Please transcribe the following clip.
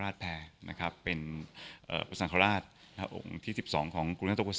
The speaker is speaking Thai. ฝากตัว